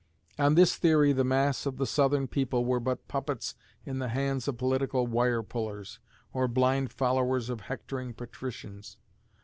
On this theory the mass of the Southern people were but puppets in the hands of political wirepullers, or blind followers of hectoring "patricians."